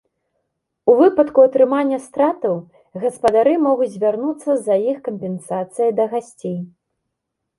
У выпадку атрымання стратаў, гаспадары могуць звярнуцца за іх кампенсацыяй да гасцей.